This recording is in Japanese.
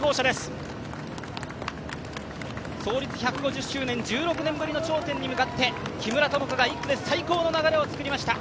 創立１５０周年、１６年ぶりの頂点に向かって木村友香が１区で最高の流れを作りました。